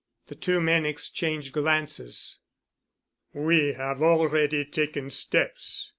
The two men exchanged glances. "We have already taken steps.